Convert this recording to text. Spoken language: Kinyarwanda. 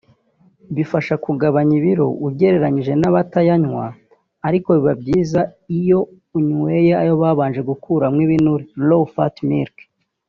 bibafasha kugabanya ibiro ugereranije n’abatayanywa ariko biba byiza iyo unyweye ayo babanje gukuramo ibinure (Low fat milk)